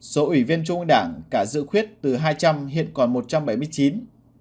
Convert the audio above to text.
số ủy viên trung ương đảng cả dự khuyết từ hai trăm linh hiện còn một trăm bảy mươi chín